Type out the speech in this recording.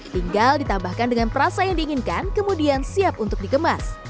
tinggal ditambahkan dengan perasa yang diinginkan kemudian siap untuk dikemas